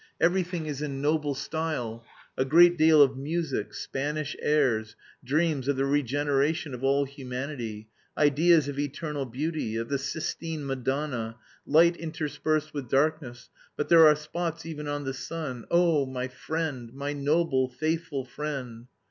Everything is in noble style; a great deal of music, Spanish airs, dreams of the regeneration of all humanity, ideas of eternal beauty, of the Sistine Madonna, light interspersed with darkness, but there are spots even on the sun! Oh, my friend, my noble, faithful friend!